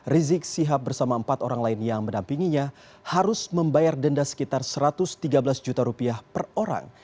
rizik sihab bersama empat orang lain yang menampinginya harus membayar denda sekitar satu ratus tiga belas juta rupiah per orang